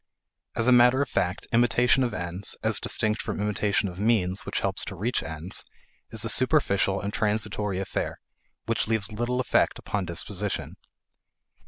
As matter of fact, imitation of ends, as distinct from imitation of means which help to reach ends, is a superficial and transitory affair which leaves little effect upon disposition.